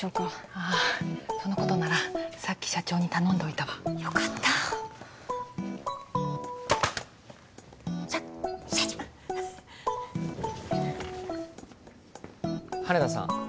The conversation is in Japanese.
ああそのことならさっき社長に頼んでおいたわ・よかったしゃ社長羽田さん